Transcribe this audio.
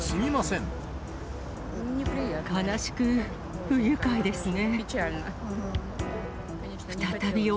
悲しく不愉快ですね。